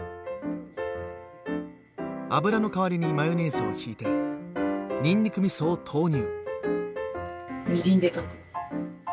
油の代わりにマヨネーズを引いてにんにくみそを投入。